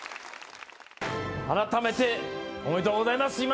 改めておめでとうございます。